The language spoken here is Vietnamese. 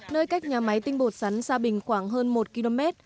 nơi cách nhà máy tinh bột sắn gia bình khoảng hơn một km